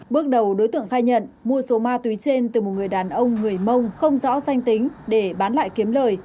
bước đầu đối tượng khai nhận mua số ma túy trên từ một người đàn ông người mông không rõ danh tính để bán lại kiếm lời